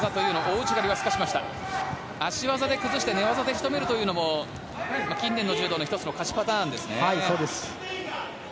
足技で引っかけて寝技で仕留めるというのも近年の柔道の１つの勝ちパターンですね。